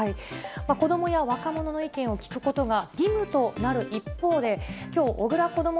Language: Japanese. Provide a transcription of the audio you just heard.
子どもや若者の意見を聞くことが義務となる一方で、きょう、小倉こども